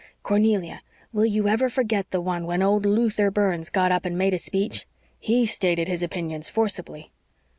Cornelia, will you ever forget the one when old Luther Burns got up and made a speech? HE stated his opinions forcibly."